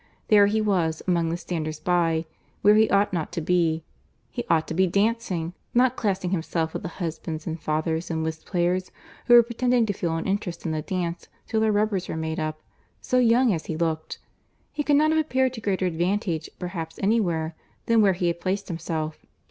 —There he was, among the standers by, where he ought not to be; he ought to be dancing,—not classing himself with the husbands, and fathers, and whist players, who were pretending to feel an interest in the dance till their rubbers were made up,—so young as he looked!—He could not have appeared to greater advantage perhaps anywhere, than where he had placed himself.